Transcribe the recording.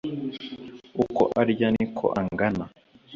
Uko arya ni ko angana